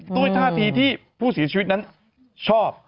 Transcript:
โดยท่าทีที่ผู้ศีรชีวิตนั้นชอบ